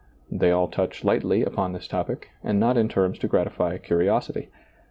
They all touch lightly upon this topic, and not in terms to gratify curiosity.